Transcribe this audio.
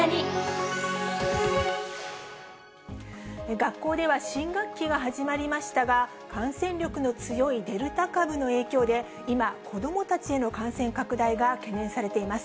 学校では新学期が始まりましたが、感染力の強いデルタ株の影響で、今、子どもたちへの感染拡大が懸念されています。